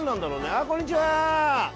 あっこんにちは。